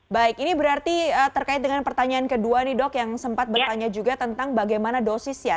baik ini berarti terkait dengan pertanyaan kedua nih dok yang sempat bertanya juga tentang bagaimana dosis ya